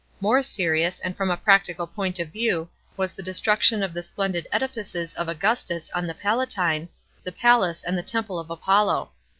More serious, from a practical point of view, was the destruction of the splendid edifices of Augustus on the Palatine, the palace and the temple of Apollo.